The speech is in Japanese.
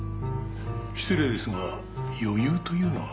失礼ですが余裕というのは？